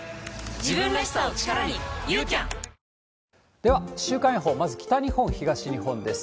では、週間予報、まず北日本、東日本です。